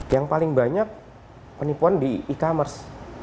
yang paling banyak penipuan di e commerce